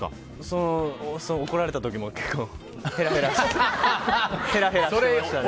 怒られた時も結構へらへらしてましたね。